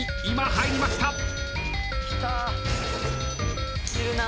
今入りました。